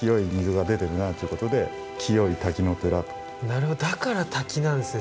なるほどだから瀧なんですね